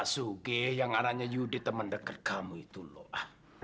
pak sugi yang aranya yudi teman dekat kamu itu loh